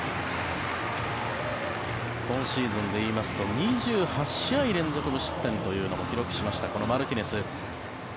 今シーズンで言いますと２８試合連続無失点というのも記録しましたマルティネス。